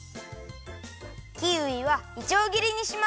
キウイはいちょうぎりにします。